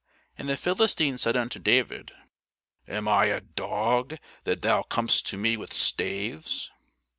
And the Philistine said unto David, Am I a dog, that thou comest to me with staves?